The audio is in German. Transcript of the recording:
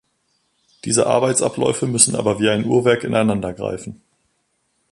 Diese Arbeitsabläufe müssen aber wie ein Uhrwerk ineinander greifen.